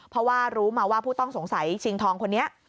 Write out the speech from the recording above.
เพราะว่ารู้มาว่าผู้ต้องสงสัยชิงทองคนนี้